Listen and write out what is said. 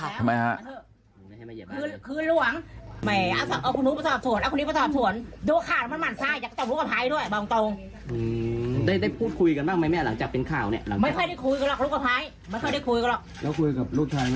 ทำไมครับ